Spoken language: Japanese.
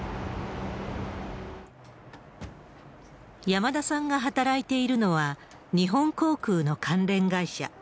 山田さんが働いているのは、日本航空の関連会社。